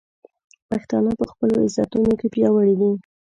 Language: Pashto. پښتانه په خپلو عزتونو کې پیاوړي دي.